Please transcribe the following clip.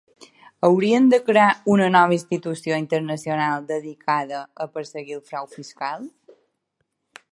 Hauríem de crear una nova institució internacional dedicada a perseguir el frau fiscal?